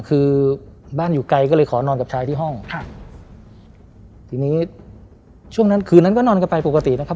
คือบ้านอยู่ไกลก็เลยขอนอนกับชายที่ห้องค่ะทีนี้ช่วงนั้นคืนนั้นก็นอนกันไปปกตินะครับ